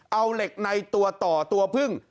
เอาเหล็กในตัวต่อตัวพึ่ง